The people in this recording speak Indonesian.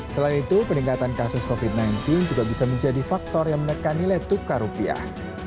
selain itu peningkatan kasus covid sembilan belas juga bisa menjadi faktor yang menekan nilai tukar rupiah